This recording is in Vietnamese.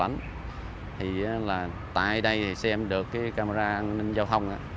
thì là tại đây xem được cái camera giao thông